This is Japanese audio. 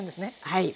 はい。